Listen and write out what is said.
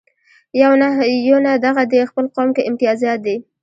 یونه دغه دې خپل قوم کې امتیازات دي.